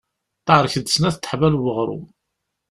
Teɛrek-d snat teḥbal n weɣrum.